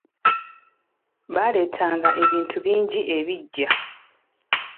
Baaleetanga ebintu bingi ebiggya.